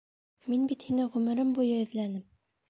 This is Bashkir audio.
Мин бит һине ғүмерем буйы эҙләнем!